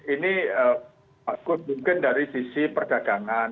ini bagus mungkin dari sisi perdagangan